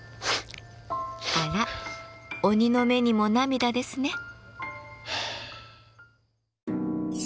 あら「鬼の目にも涙」ですね。